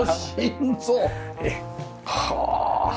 はあ。